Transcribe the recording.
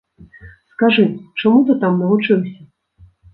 Скажы, чаму ты там навучыўся?